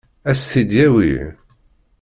Ad s-t-id-yawi?